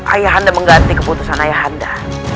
ayahanda mengganti keputusan ayahanda